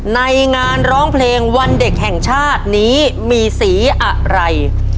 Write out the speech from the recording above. ในงานร้องเพลงวันเด็กแห่งชาตินี้มีสีอะไร